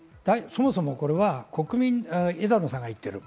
そもそもこれは枝野さんが言っています。